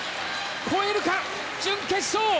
越えるか、準決勝。